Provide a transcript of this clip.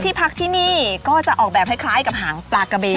พักที่นี่ก็จะออกแบบคล้ายกับหางปลากระเบน